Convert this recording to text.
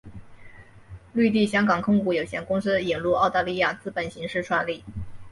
绿地香港控股有限公司引入澳大利亚资本形式创立。